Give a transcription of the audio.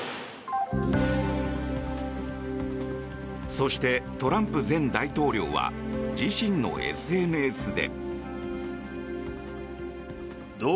そして、トランプ前大統領は自身のＳＮＳで。